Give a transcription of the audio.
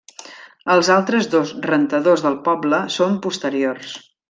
Els altres dos rentadors del poble són posteriors.